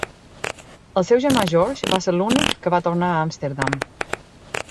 El seu germà George va ser l'únic que va tornar a Amsterdam.